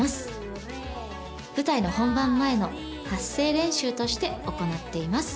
舞台の本番前の発声練習として行っています。